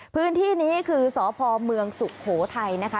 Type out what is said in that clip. พื้นที่นี้คือสพเมืองสุโขทัยนะคะ